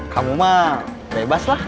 kamu mah bebas lah